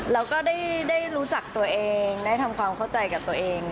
แล้วก็ได้รู้จักตัวเองได้ทำความเข้าใจกับตัวเอง